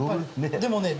でもね